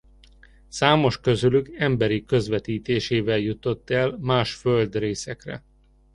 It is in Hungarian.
Számos közülük emberi közvetítésével jutott el más földrészekre.